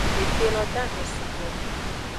Ete lo dahen sugbo.